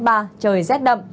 trời rét đậm